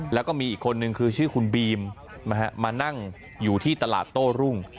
แล้วก็มีอีกคนนึงคือชื่อคุณบีมมานั่งอยู่ที่ตลาดโต้รุ่ง